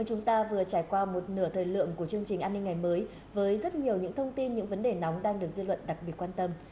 chúng ta vừa trải qua một nửa thời lượng của chương trình an ninh ngày mới với rất nhiều những thông tin những vấn đề nóng đang được dư luận đặc biệt quan tâm